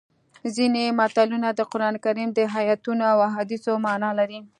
ځینې متلونه د قرانکریم د ایتونو او احادیثو مانا لري